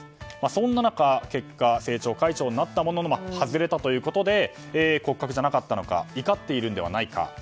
そんな中、結局政調会長になったものの外れたということで骨格じゃなかったのか怒っているのではないか。